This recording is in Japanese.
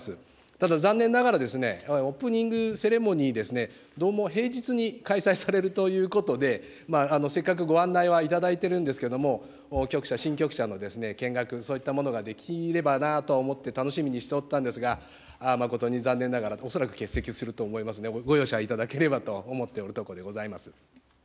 ただ、残念ながら、オープニングセレモニーですね、どうも平日に開催されるということで、せっかくご案内はいただいてるんですけれども、局舎、新局舎の見学、そういったものができればなと思って楽しみにしておったんですが、誠に残念ながら、恐らく欠席すると思いますので、ご容赦いただければと思っておるところでございます。